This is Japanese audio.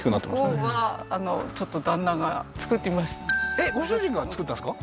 えっご主人が造ったんですか？